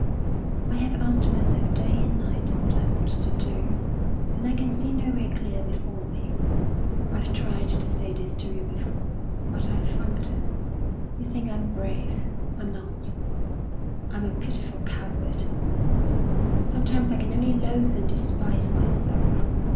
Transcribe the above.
"I have asked myself day and night what I ought to do, and I can see no way clear before me. I've tried to say this to you before, but I've funked it. You think I'm brave I'm not; I'm a pitiful coward! Sometimes I can only loathe and despise myself.